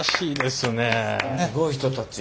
すごい人たち。